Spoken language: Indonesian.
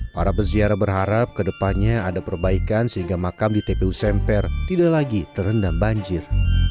para peziarah berharap ke depannya ada perbaikan sehingga makam di tpu semper tidak lagi terendam banjir